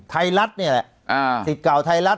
ไทยรัฐนี่แหละสิทธิ์เก่าไทยรัฐ